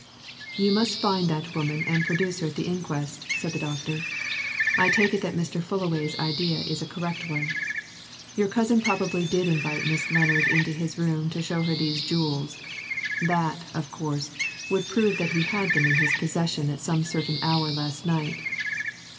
"You must find that woman and produce her at the inquest," said the doctor. "I take it that Mr. Fullaway's idea is a correct one. Your cousin probably did invite Miss Lennard into his room to show her these jewels that, of course, would prove that he had them in his possession at some certain hour last night.